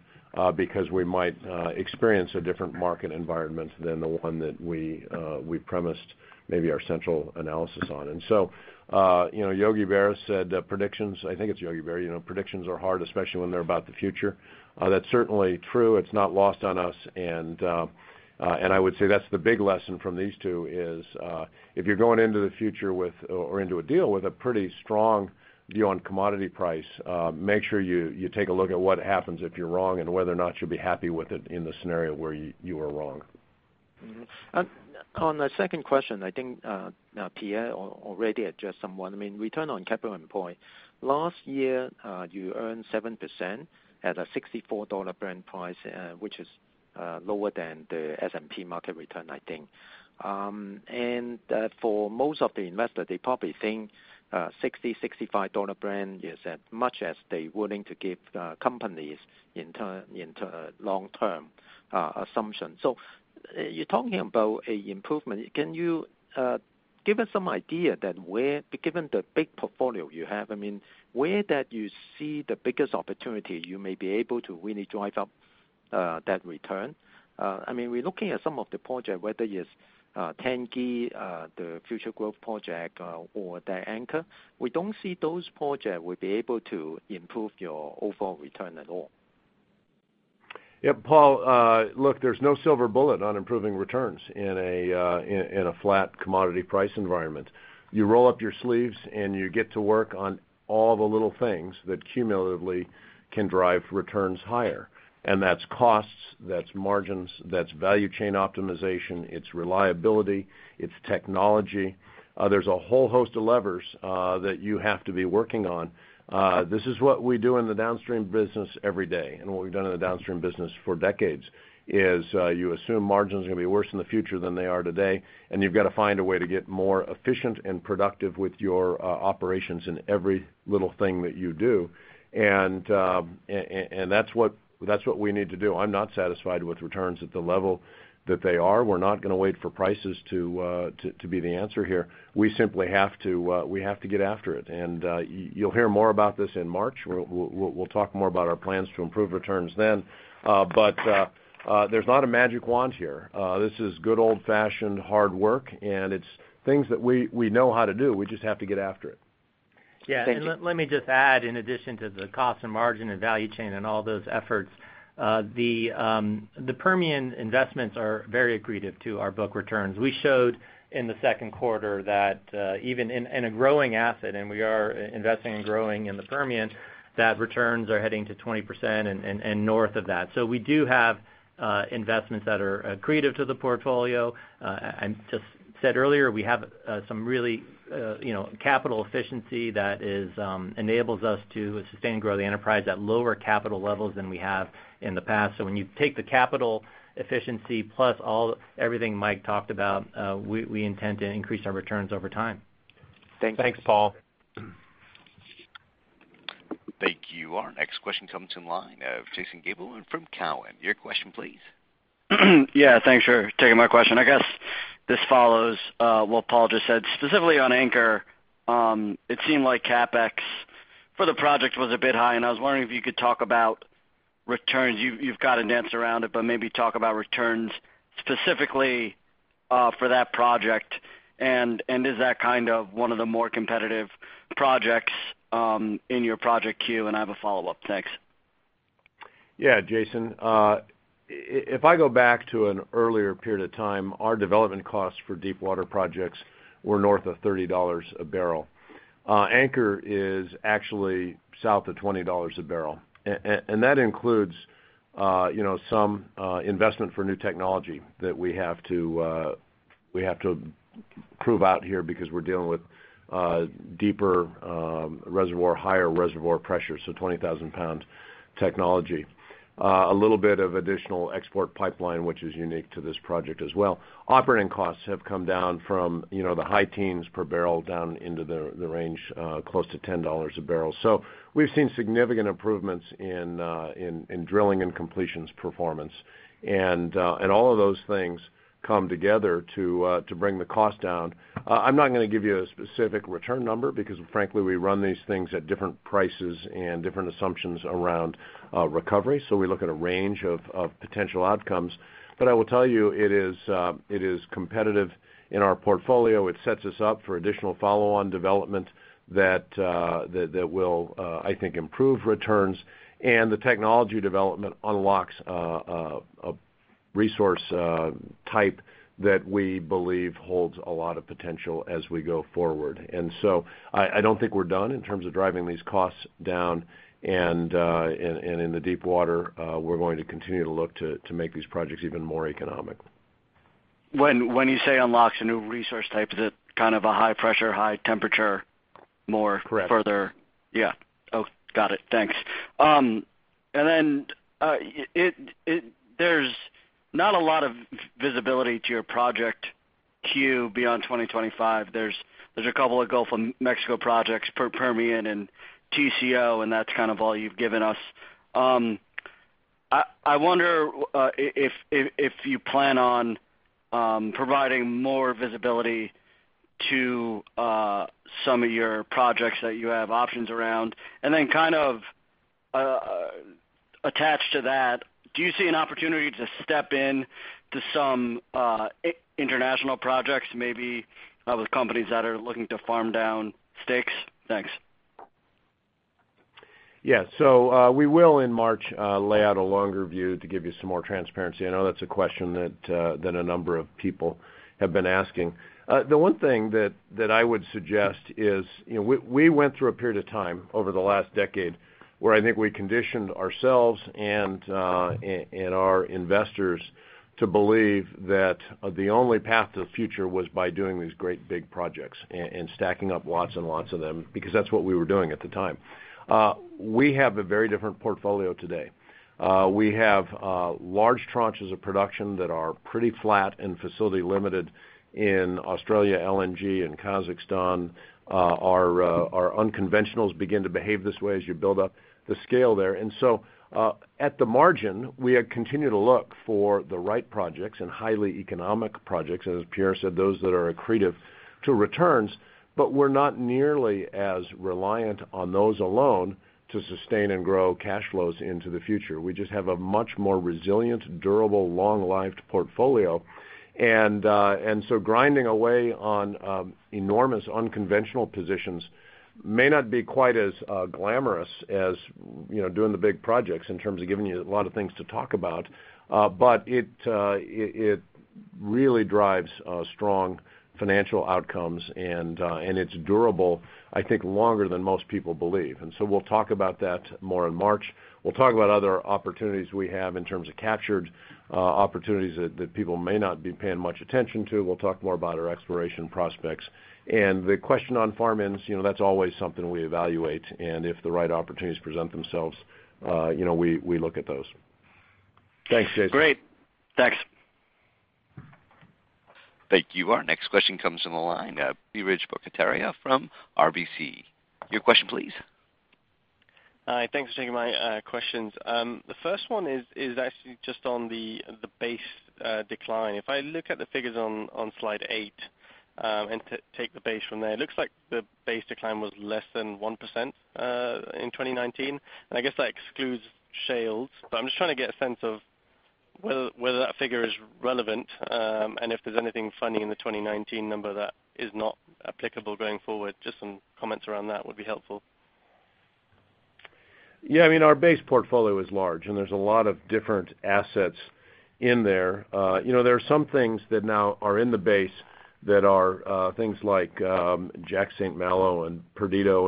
because we might experience a different market environment than the one that we premised maybe our central analysis on. Yogi Berra said, "Predictions," I think it's Yogi Berra, "Predictions are hard, especially when they're about the future." That's certainly true. It's not lost on us, and I would say that's the big lesson from these two is, if you're going into the future or into a deal with a pretty strong view on commodity price, make sure you take a look at what happens if you're wrong and whether or not you'll be happy with it in the scenario where you are wrong. On the second question, I think Pierre already addressed somewhat. Return on capital employed. Last year, you earned 7% at a $64 Brent price, which is lower than the S&P market return, I think. For most of the investors, they probably think 60, $65 Brent is as much as they're willing to give companies into long-term assumption. You're talking about a improvement. Can you give us some idea that given the big portfolio you have, where that you see the biggest opportunity you may be able to really drive up that return? We're looking at some of the project, whether it's Tengiz, the Future Growth Project or the Anchor. We don't see those project will be able to improve your overall return at all. Yeah, Paul. Look, there's no silver bullet on improving returns in a flat commodity price environment. You roll up your sleeves, you get to work on all the little things that cumulatively can drive returns higher. That's costs, that's margins, that's value chain optimization, it's reliability, it's technology. There's a whole host of levers that you have to be working on. This is what we do in the downstream business every day, and what we've done in the downstream business for decades, is you assume margins are going to be worse in the future than they are today, and you've got to find a way to get more efficient and productive with your operations in every little thing that you do. That's what we need to do. I'm not satisfied with returns at the level that they are. We're not going to wait for prices to be the answer here. We simply have to get after it. You'll hear more about this in March. We'll talk more about our plans to improve returns then. There's not a magic wand here. This is good old-fashioned hard work, and it's things that we know how to do. We just have to get after it. Yeah. Let me just add, in addition to the cost and margin and value chain and all those efforts, the Permian investments are very accretive to our book returns. We showed in the second quarter that even in a growing asset, and we are investing and growing in the Permian, that returns are heading to 20% and north of that. We do have investments that are accretive to the portfolio. I just said earlier, we have some really capital efficiency that enables us to sustain and grow the enterprise at lower capital levels than we have in the past. When you take the capital efficiency plus everything Mike talked about, we intend to increase our returns over time. Thanks, Paul. Thank you. Our next question comes in line of Jason Gabelman from Cowen. Your question, please. Yeah, thanks for taking my question. I guess,, this follows what Paul just said. Specifically on Anchor, it seemed like CapEx for the project was a bit high, and I was wondering if you could talk about returns. You've kind of danced around it, but maybe talk about returns specifically for that project, and is that one of the more competitive projects in your project queue? I have a follow-up. Thanks. Jason. If I go back to an earlier period of time, our development costs for deep water projects were north of $30 a barrel. Anchor is actually south of $20 a barrel. That includes some investment for new technology that we have to prove out here because we're dealing with deeper reservoir, higher reservoir pressure, so 20,000 pound technology. A little bit of additional export pipeline, which is unique to this project as well. Operating costs have come down from the high teens per barrel down into the range close to $10 a barrel. We've seen significant improvements in drilling and completions performance. All of those things come together to bring the cost down. I'm not going to give you a specific return number because frankly, we run these things at different prices and different assumptions around recovery. We look at a range of potential outcomes. I will tell you, it is competitive in our portfolio. It sets us up for additional follow-on development that will, I think, improve returns. The technology development unlocks a resource type that we believe holds a lot of potential as we go forward. I don't think we're done in terms of driving these costs down, and in the deepwater, we're going to continue to look to make these projects even more economic. When you say unlocks a new resource type, is it kind of a high pressure, high temperature more further? Correct. Yeah. Oh, got it. Thanks. There's not a lot of visibility to your project queue beyond 2025. There's a couple of Gulf of Mexico projects, Permian and TCO, and that's kind of all you've given us. I wonder if you plan on providing more visibility to some of your projects that you have options around. Kind of attached to that, do you see an opportunity to step in to some international projects, maybe with companies that are looking to farm down stakes? Thanks. Yeah. We will, in March, lay out a longer view to give you some more transparency. I know that's a question that a number of people have been asking. The one thing that I would suggest is we went through a period of time over the last decade where I think we conditioned ourselves and our investors to believe that the only path to the future was by doing these great big projects and stacking up lots and lots of them because that's what we were doing at the time. We have a very different portfolio today. We have large tranches of production that are pretty flat and facility limited in Australia LNG and Kazakhstan. Our unconventionals begin to behave this way as you build up the scale there. At the margin, we continue to look for the right projects and highly economic projects, as Pierre said, those that are accretive to returns, but we're not nearly as reliant on those alone to sustain and grow cash flows into the future. We just have a much more resilient, durable, long-lived portfolio. Grinding away on enormous unconventional positions may not be quite as glamorous as doing the big projects in terms of giving you a lot of things to talk about. It really drives strong financial outcomes, and it's durable, I think, longer than most people believe. We'll talk about that more in March. We'll talk about other opportunities we have in terms of captured opportunities that people may not be paying much attention to. We'll talk more about our exploration prospects. The question on farm-ins, that's always something we evaluate, and if the right opportunities present themselves we look at those. Thanks, Jason. Great. Thanks. Thank you. Our next question comes from the line of Biraj Borkhataria from RBC. Your question, please. Hi. Thanks for taking my questions. The first one is actually just on the base decline. If I look at the figures on Slide eight and take the base from there, it looks like the base decline was less than 1% in 2019. I guess that excludes shales, but I'm just trying to get a sense of whether that figure is relevant, if there's anything funny in the 2019 number that is not applicable going forward. Just some comments around that would be helpful. Yeah. Our base portfolio is large. There's a lot of different assets in there. There are some things that now are in the base that are things like Jack/St. Malo and Perdido.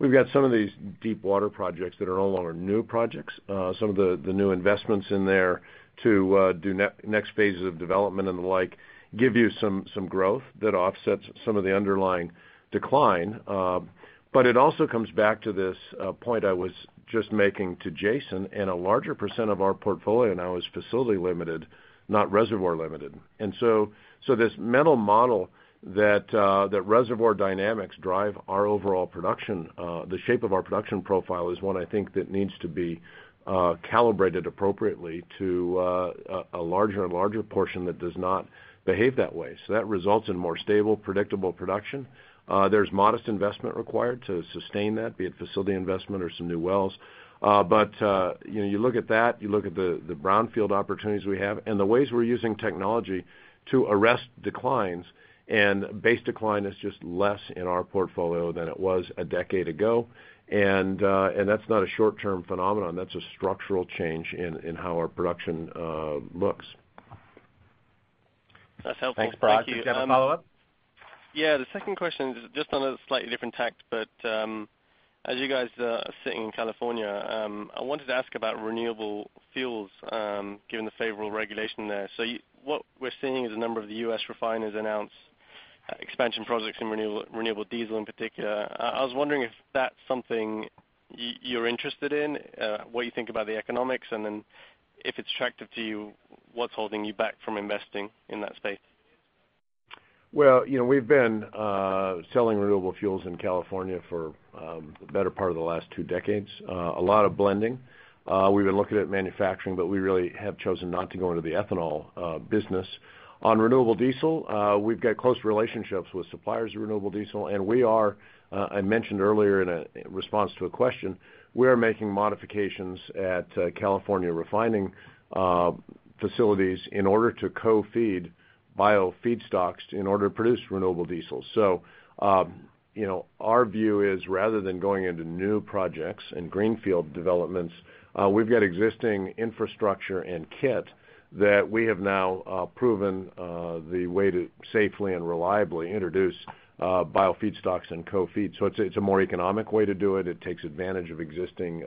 We've got some of these deep water projects that are no longer new projects. Some of the new investments in there to do next phases of development and the like give you some growth that offsets some of the underlying decline. It also comes back to this point I was just making to Jason. A larger % of our portfolio now is facility limited, not reservoir limited. This mental model that reservoir dynamics drive our overall production, the shape of our production profile is one I think that needs to be calibrated appropriately to a larger and larger portion that does not behave that way. That results in more stable, predictable production. There's modest investment required to sustain that, be it facility investment or some new wells. You look at that, you look at the brownfield opportunities we have, and the ways we're using technology to arrest declines, and base decline is just less in our portfolio than it was a decade ago. That's not a short-term phenomenon. That's a structural change in how our production looks. That's helpful. Thank you. Thanks, Biraj. Do you have a follow-up? Yeah. The second question is just on a slightly different tack, but as you guys are sitting in California, I wanted to ask about renewable fuels given the favorable regulation there. What we're seeing is a number of the U.S. refineries announce expansion projects in renewable diesel in particular. I was wondering if that's something you're interested in, what you think about the economics, and then if it's attractive to you, what's holding you back from investing in that space? Well, we've been selling renewable fuels in California for the better part of the last two decades. A lot of blending. We've been looking at manufacturing, we really have chosen not to go into the ethanol business. On renewable diesel, we've got close relationships with suppliers of renewable diesel. I mentioned earlier in a response to a question, we are making modifications at California refining facilities in order to co-feed bio feedstocks in order to produce renewable diesel. Our view is rather than going into new projects and greenfield developments, we've got existing infrastructure and kit that we have now proven the way to safely and reliably introduce bio feedstocks and co-feed. It's a more economic way to do it. It takes advantage of existing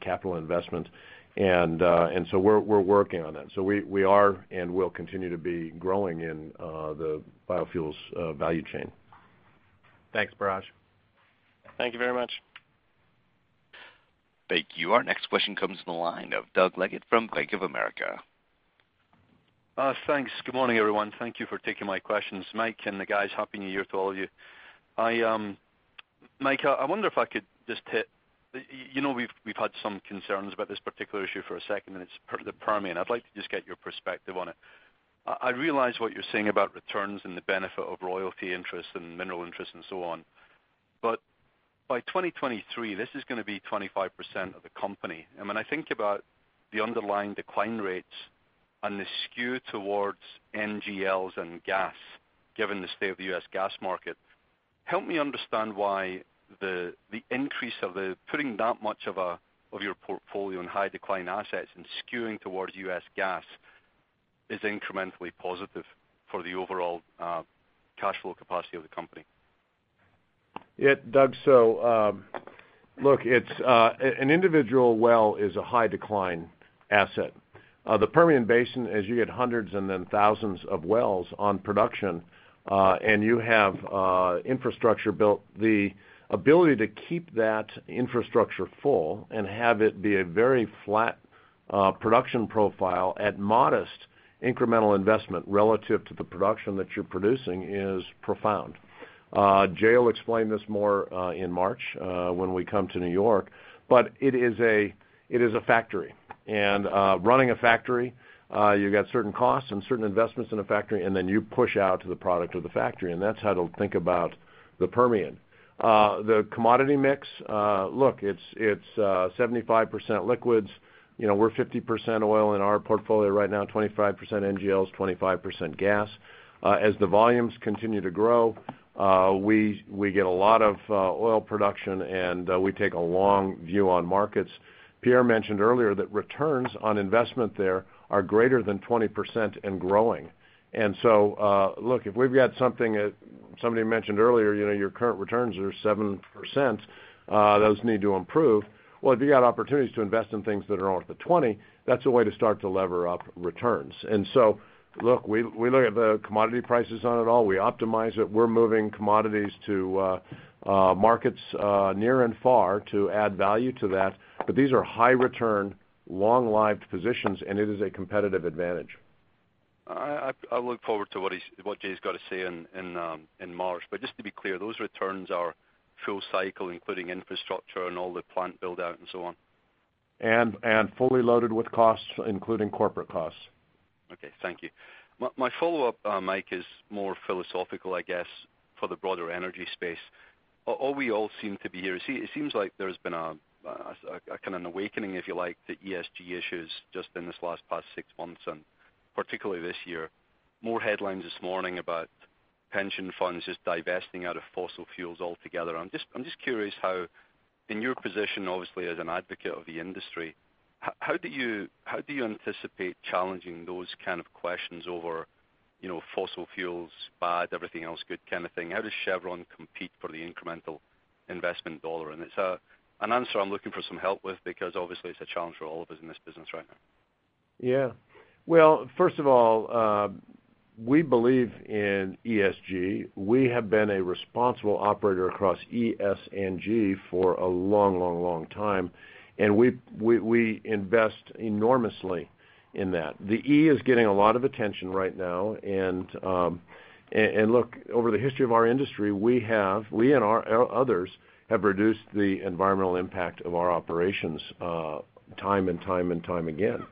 capital investment. We're working on that. We are and will continue to be growing in the biofuels value chain. Thanks, Biraj. Thank you very much. Thank you. Our next question comes from the line of Doug Leggate from Bank of America. Thanks. Good morning, everyone. Thank you for taking my questions. Mike and the guys, Happy New Year to all of you. Mike, I wonder if I could just, you know we've had some concerns about this particular issue for a second, and it's the Permian. I'd like to just get your perspective on it. I realize what you're saying about returns and the benefit of royalty interest and mineral interest and so on. By 2023, this is going to be 25% of the company. When I think about the underlying decline rates and the skew towards NGLs and gas, given the state of the U.S. gas market, help me understand why the increase of putting that much of your portfolio in high decline assets and skewing towards U.S. gas is incrementally positive for the overall cash flow capacity of the company. Yeah, Doug. Look, an individual well is a high decline asset. The Permian Basin, as you get hundreds and then thousands of wells on production, and you have infrastructure built, the ability to keep that infrastructure full and have it be a very flat production profile at modest incremental investment relative to the production that you're producing is profound. Jay will explain this more in March when we come to New York, it is a factory. Running a factory, you got certain costs and certain investments in a factory, then you push out the product of the factory, that's how to think about the Permian. The commodity mix, look, it's 75% liquids. We're 50% oil in our portfolio right now, 25% NGLs, 25% gas. As the volumes continue to grow, we get a lot of oil production, we take a long view on markets. Pierre mentioned earlier that returns on investment there are greater than 20% and growing. Look, if we've got something, as somebody mentioned earlier, your current returns are 7%, those need to improve. If you got opportunities to invest in things that are north of 20%, that's a way to start to lever up returns. Look, we look at the commodity prices on it all. We optimize it. We're moving commodities to markets near and far to add value to that. These are high return, long-lived positions, and it is a competitive advantage. I look forward to what Jay's got to say in March. Just to be clear, those returns are full cycle, including infrastructure and all the plant build-out and so on? Fully loaded with costs, including corporate costs. Okay. Thank you. My follow-up, Mike, is more philosophical, I guess, for the broader energy space. All we all seem to be here, it seems like there's been a kind of an awakening, if you like, to ESG issues just in this last past six months and particularly, this year. More headlines this morning about pension funds just divesting out of fossil fuels altogether. I'm just curious how, in your position, obviously as an advocate of the industry, how do you anticipate challenging those kind of questions over fossil fuel's bad, everything else good kind of thing? How does Chevron compete for the incremental investment dollar? It's an answer I'm looking for some help with because obviously, it's a challenge for all of us in this business right now. Yeah. Well, first of all, we believe in ESG. We have been a responsible operator across ES and G for a long time, and we invest enormously in that. The E is getting a lot of attention right now. Look, over the history of our industry, we and others have reduced the environmental impact of our operations time and time again.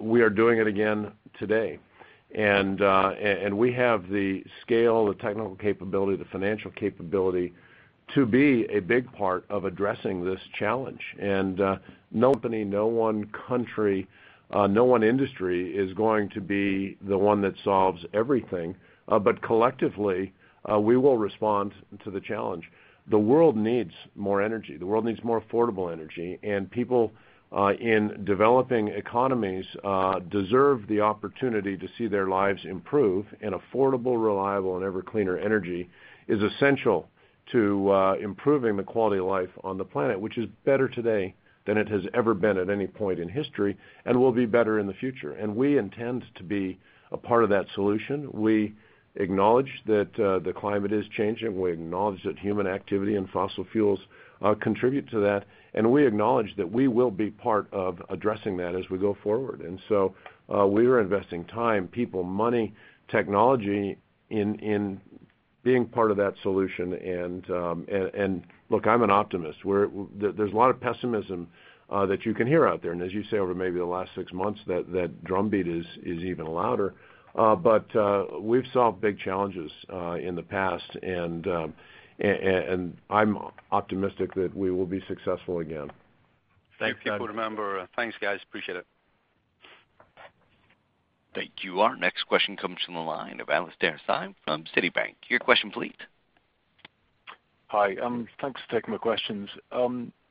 We are doing it again today. We have the scale, the technical capability, the financial capability to be a big part of addressing this challenge. No company, no one country, no one industry is going to be the one that solves everything. Collectively, we will respond to the challenge. The world needs more energy. The world needs more affordable energy. People in developing economies deserve the opportunity to see their lives improve, and affordable, reliable, and ever-cleaner energy is essential to improving the quality of life on the planet, which is better today than it has ever been at any point in history and will be better in the future. We intend to be a part of that solution. We acknowledge that the climate is changing. We acknowledge that human activity and fossil fuels contribute to that, and we acknowledge that we will be part of addressing that as we go forward. We are investing time, people, money, technology in being part of that solution. Look, I'm an optimist. There's a lot of pessimism that you can hear out there. As you say, over maybe the last six months, that drumbeat is even louder. We've solved big challenges in the past, and I'm optimistic that we will be successful again. Thanks, guys. Appreciate it. Thank you. Our next question comes from the line of Alastair Syme from Citi. Your question please. Hi. Thanks for taking my questions.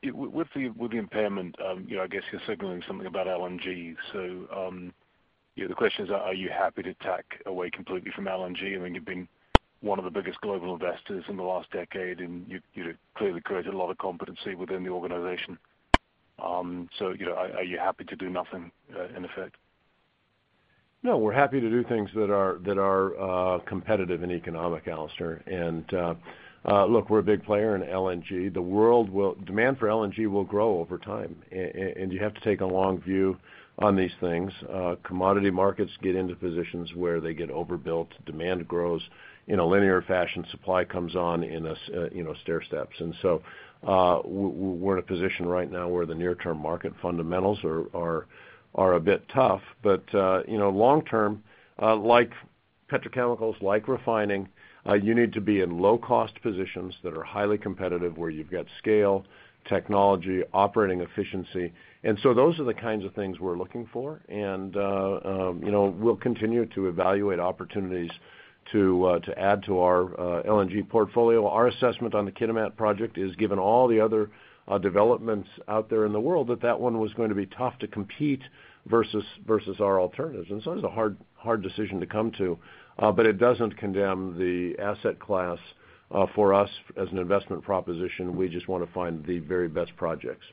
With the impairment, I guess you're signaling something about LNG. The question is, are you happy to tack away completely from LNG? I mean, you've been one of the biggest global investors in the last decade, and you clearly created a lot of competency within the organization. Are you happy to do nothing in effect? No, we're happy to do things that are competitive and economic, Alastair. Look, we're a big player in LNG. Demand for LNG will grow over time, you have to take a long view on these things. Commodity markets get into positions where they get overbuilt. Demand grows in a linear fashion. Supply comes on in stairsteps. We're in a position right now where the near-term market fundamentals are a bit tough. Long term, like petrochemicals, like refining, you need to be in low-cost positions that are highly competitive, where you've got scale, technology, operating efficiency. Those are the kinds of things we're looking for, we'll continue to evaluate opportunities to add to our LNG portfolio. Our assessment on the Kitimat project is, given all the other developments out there in the world, that that one was going to be tough to compete versus our alternatives. It was a hard decision to come to, but it doesn't condemn the asset class for us as an investment proposition. We just want to find the very best projects.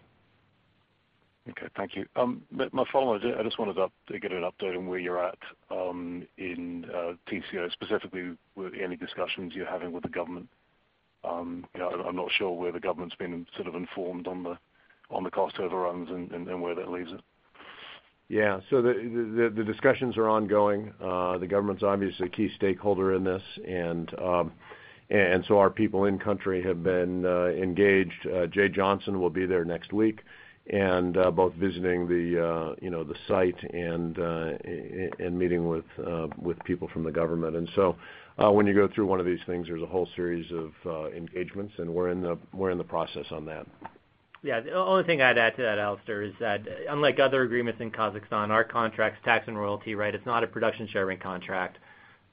Okay. Thank you. My follow-up, I just wanted to get an update on where you're at in Tengizchevroil, specifically with any discussions you're having with the government. I'm not sure where the government's been sort of informed on the cost overruns, and where that leaves it. The discussions are ongoing. The government's obviously a key stakeholder in this. Our people in country have been engaged. Jay Johnson will be there next week, both visiting the site and meeting with people from the government. When you go through one of these things, there's a whole series of engagements, and we're in the process on that. Yeah. The only thing I'd add to that, Alastair, is that unlike other agreements in Kazakhstan, our contract's tax and royalty, right? It's not a production sharing contract.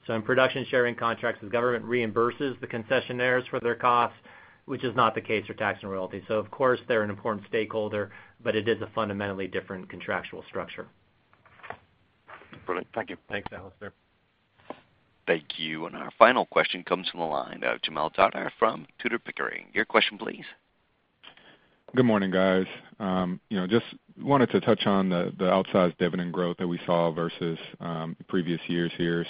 In production sharing contracts, the government reimburses the concessionaires for their costs, which is not the case for tax and royalty. Of course, they're an important stakeholder, but it is a fundamentally different contractual structure. Brilliant. Thank you. Thanks, Alastair. Thank you. Our final question comes from the line of Jamaal Dardar from Tudor, Pickering. Your question please. Good morning, guys. Just wanted to touch on the outsized dividend growth that we saw versus previous years here.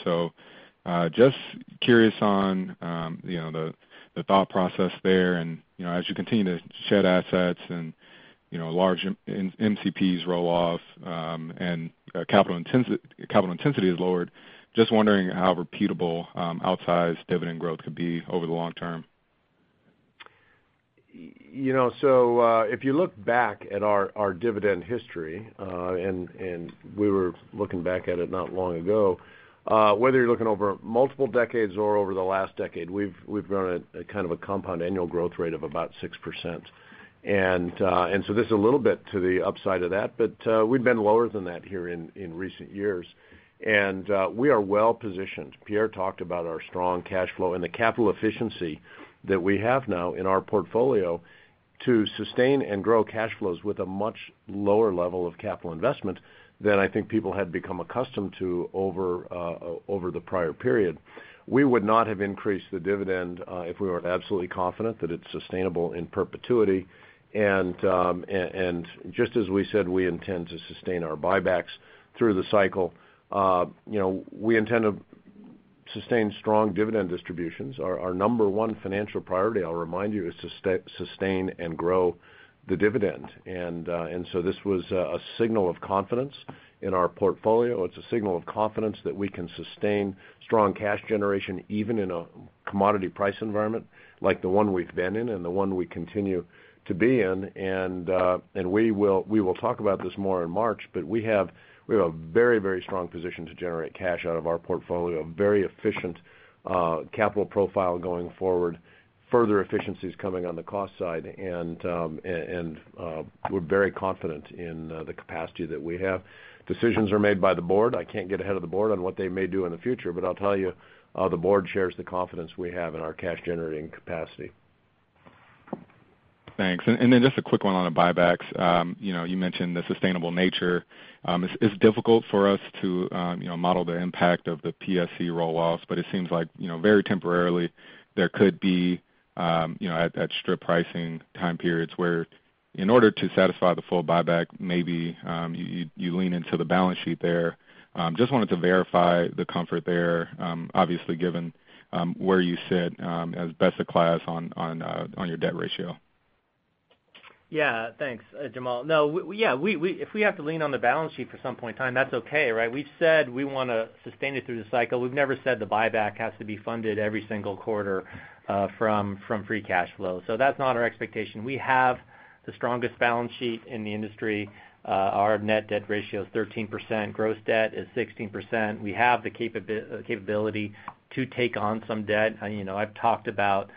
Just curious on the thought process there, as you continue to shed assets and large MCPs roll off and capital intensity is lowered, just wondering how repeatable outsized dividend growth could be over the long term? If you look back at our dividend history, and we were looking back at it not long ago, whether you're looking over multiple decades or over the last decade, we've grown at kind of a compound annual growth rate of about 6%. This is a little bit to the upside of that, but we've been lower than that here in recent years. We are well-positioned. Pierre talked about our strong cash flow and the capital efficiency that we have now in our portfolio to sustain and grow cash flows with a much lower level of capital investment than I think people had become accustomed to over the prior period. We would not have increased the dividend if we weren't absolutely confident that it's sustainable in perpetuity. Just as we said we intend to sustain our buybacks through the cycle, we intend to sustain strong dividend distributions. Our number one financial priority, I'll remind you, is sustain and grow the dividend. This was a signal of confidence in our portfolio. It's a signal of confidence that we can sustain strong cash generation, even in a commodity price environment like the one we've been in and the one we continue to be in. We will talk about this more in March, but we have a very strong position to generate cash out of our portfolio, a very efficient capital profile going forward, further efficiencies coming on the cost side, and we're very confident in the capacity that we have. Decisions are made by the Board. I can't get ahead of the Board on what they may do in the future, but I'll tell you, the Board shares the confidence we have in our cash-generating capacity. Thanks. Then just a quick one on the buybacks. You mentioned the sustainable nature. It is difficult for us to model the impact of the PSC roll-offs, but it seems like very temporarily there could be at strip pricing time periods where in order to satisfy the full buyback, maybe you lean into the balance sheet there. Just wanted to verify the comfort there, obviously, given where you sit as best of class on your debt ratio. Yeah. Thanks, Jamaal. No, if we have to lean on the balance sheet for some point in time, that's okay, right? We've said we want to sustain it through the cycle. We've never said the buyback has to be funded every single quarter from free cash flow. That's not our expectation. We have the strongest balance sheet in the industry. Our net debt ratio is 13%. Gross debt is 16%. We have the capability to take on some debt. I've talked about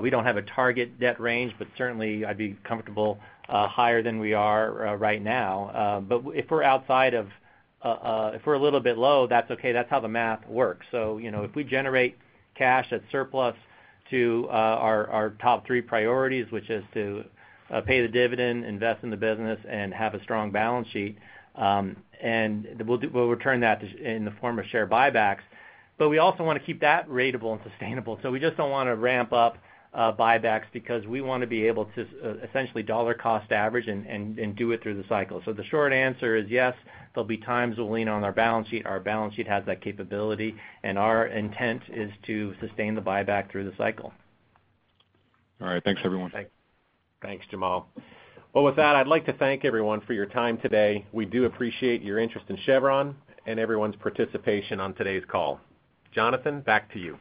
we don't have a target debt range, certainly I'd be comfortable higher than we are right now. If we're a little bit low, that's okay. That's how the math works. If we generate cash that's surplus to our top three priorities, which is to pay the dividend, invest in the business, and have a strong balance sheet, we'll return that in the form of share buybacks. We also want to keep that ratable and sustainable. We just don't want to ramp up buybacks because we want to be able to essentially dollar cost average and do it through the cycle. The short answer is yes, there'll be times we'll lean on our balance sheet. Our balance sheet has that capability, and our intent is to sustain the buyback through the cycle. All right. Thanks, everyone. Thanks. Thanks, Jamaal. Well, with that, I'd like to thank everyone for your time today. We do appreciate your interest in Chevron and everyone's participation on today's call. Jonathan, back to you.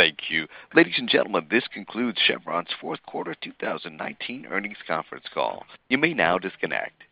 Thank you. Ladies and gentlemen, this concludes Chevron's fourth quarter 2019 earnings conference call. You may now disconnect.